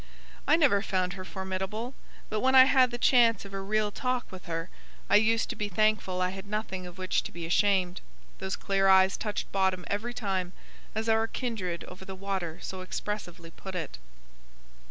I never found her formidable; but, when I had the chance of a real talk with her, I used to be thankful I had nothing of which to be ashamed. Those clear eyes touched bottom every time, as our kindred over the water so expressively put it."